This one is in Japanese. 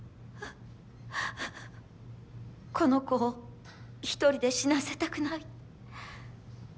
この子を１人で死なせたくない。